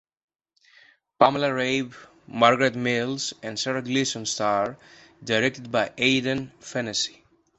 Pamela Rabe, Margaret Mills and Sara Gleeson star, directed by Aidan Fennessy.